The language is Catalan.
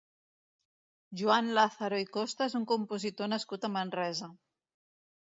Joan Làzaro i Costa és un compositor nascut a Manresa.